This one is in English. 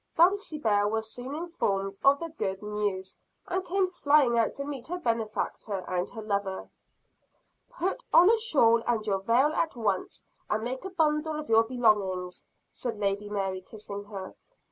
Dulcibel was soon informed of the good news; and came flying out to meet her benefactor and her lover. "Put on a shawl and your veil at once; and make a bundle of your belongings," said Lady Mary, kissing her.